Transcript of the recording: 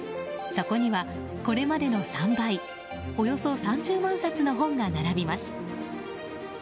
そこには、これまでの３倍およそ３０万冊の本が並びます。